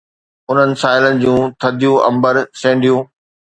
انهن ساحلن جون ٿڌيون امبر سينڊون